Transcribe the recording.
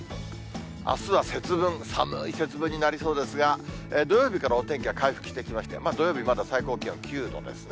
あすは節分、寒い節分になりそうですが、土曜日からお天気は回復してきまして、土曜日、まだ最高気温９度ですね。